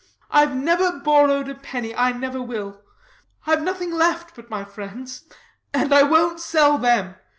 Ive never borrowed a penny; and I never will. Ive nothing left but my friends; and I wont sell them.